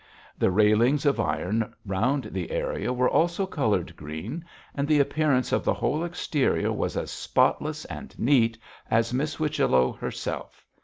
The railings of iron round the area were also coloured green, and the appearance of the whole exterior was as spotless and neat as Miss Whichello herself.